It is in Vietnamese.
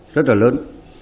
rất là lớn